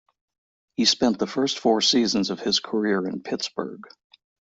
He spent the first four seasons of his career in Pittsburgh.